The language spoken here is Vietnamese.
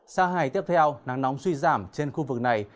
sang ngày tiếp theo nắng nóng suy giảm trên khu vực này